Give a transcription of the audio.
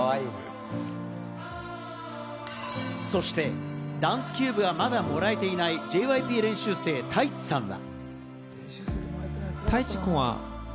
そしてダンスキューブがまだもらえていないＪＹＰ練習生タイチさんは。